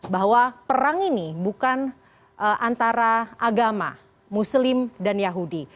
bahwa perang ini bukan antara agama muslim dan yahudi